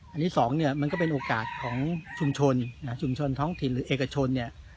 อันนี้สองเนี่ยมันก็เป็นโอกาสของชุมชนชุมชนท้องถิ่นหรือเอกชนเนี่ย